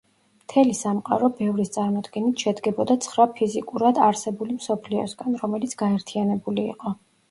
მთელი სამყარო, ბევრის წარმოდგენით, შედგებოდა ცხრა ფიზიკურად არსებული მსოფლიოსგან, რომელიც გაერთიანებული იყო.